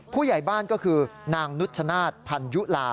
ผู้ใหญ่บ้านก็คือนางนุชชนาธิ์พันยุลา